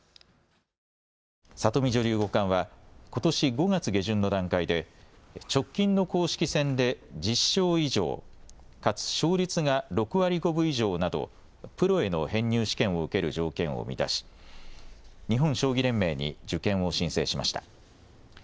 里見女流五冠はことし５月下旬の段階で直近の公式戦で１０勝以上かつ勝率が６割５分以上などプロへの編入試験を受ける条件を満たし日本将棋連盟に受験を申請しました。